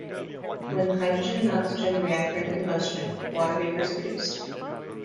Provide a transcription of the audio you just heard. When hydrogen and oxygen react during combustion, water vapor is produced.